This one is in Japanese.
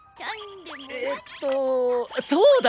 えっとそうだ！